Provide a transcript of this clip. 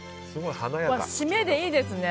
締めで、いいですね。